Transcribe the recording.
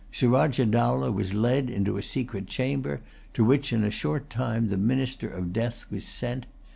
Surajah Dowlah was led into a secret chamber, to which in a short time the ministers of death were sent.